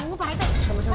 udah sama sama aja udah